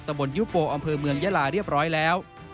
บนยุโปอำเภอเมืองยาลาเรียบร้อยแล้ว